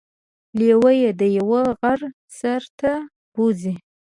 لیوه يې د یوه غره سر ته بوځي.